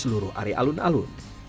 seluruh area alun alun